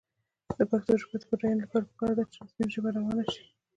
د پښتو ژبې د بډاینې لپاره پکار ده چې رسمي ژبه روانه شي.